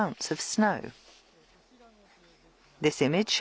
そうですね。